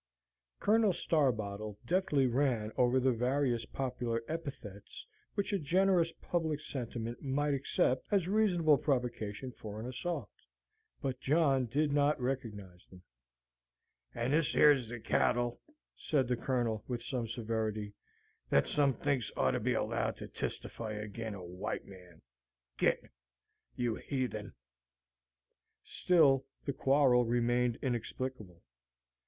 Colonel Starbottle deftly ran over the various popular epithets which a generous public sentiment might accept as reasonable provocation for an assault. But John did not recognize them. "And this yer's the cattle," said the Colonel, with some severity, "that some thinks oughter be allowed to testify ag'in' a White Man! Git you heathen!" Still the quarrel remained inexplicable.